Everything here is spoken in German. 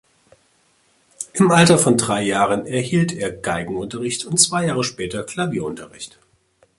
Im Alter von drei Jahren erhielt er Geigenunterricht und zwei Jahre später Klavierunterricht.